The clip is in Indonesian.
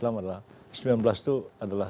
pemilu tahun dua ribu sembilan belas itu adalah